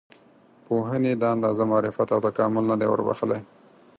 پوهنې دا اندازه معرفت او تکامل نه دی وربښلی.